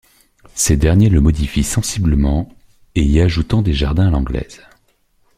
Ces derniers le modifient sensiblement et y ajoutant des jardins à l'anglaise.